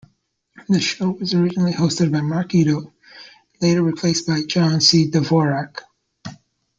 The show was originally hosted by Mark Eddo, later replaced by John C. Dvorak.